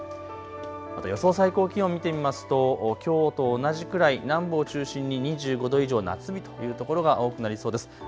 また予想最高気温、見てみますときょうと同じくらい、南部を中心に２５度以上、夏日というところが多くなりそうです。